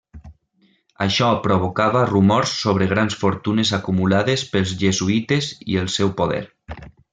Això provocava rumors sobre grans fortunes acumulades pels jesuïtes i el seu poder.